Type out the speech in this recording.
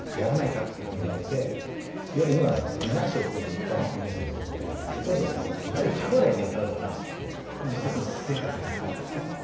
っていうふうに言われていわゆる今ディナーショーって一般的にあるんですけど当時はいわゆるキャバレーで歌うのが一つのステータスだったんですね。